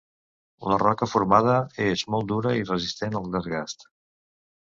La roca formada és molt dura i resistent al desgast.